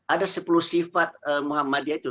ada sepuluh sifat muhammadiyah itu